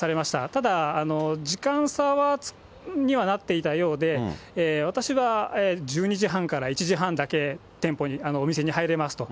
ただ時間差にはなっていたようで、私が１２時半から１時半まで店舗に、お店に入れますと。